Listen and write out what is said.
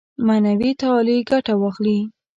معنوي تعالي ګټه واخلي.